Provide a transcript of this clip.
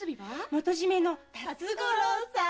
元締の辰五郎さん！